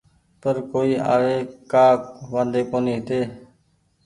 پر ڪونيٚ آئي ڪآ وآدي ڪونيٚ هيتي